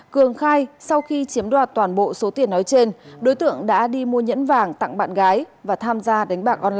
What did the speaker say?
cường khai sau khi chiếm đoạt toàn bộ số tiền nói trên đối tượng đã đi mua nhẫn vàng tặng bạn gái và tham gia đánh bạc online